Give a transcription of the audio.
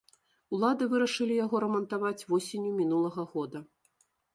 Улады вырашылі яго рамантаваць восенню мінулага года.